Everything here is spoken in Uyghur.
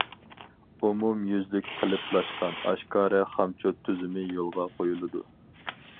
ئومۇميۈزلۈك قېلىپلاشقان، ئاشكارا خامچوت تۈزۈمى يولغا قويۇلىدۇ.